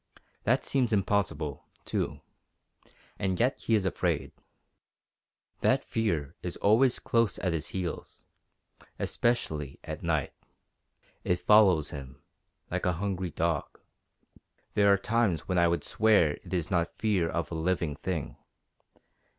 That seems impossible, too. And yet he is afraid. That fear is always close at his heels, especially at night. It follows him like a hungry dog. There are times when I would swear it is not fear of a living thing.